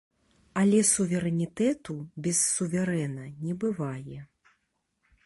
Але суверэнітэту без суверэна не бывае.